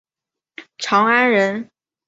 长安人。